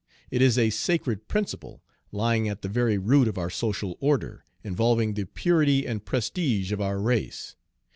It is a sacred principle, lying at the very root of our social order, involving the purity and prestige of our race.